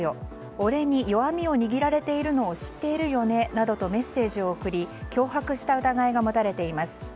俺に弱みを握られているのを知っているよねなどとメッセージを送り脅迫した疑いが持たれています。